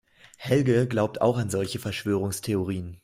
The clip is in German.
Helge glaubt auch an solche Verschwörungstheorien.